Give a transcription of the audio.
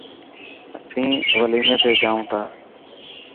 اسين وليمي تي جائون تا.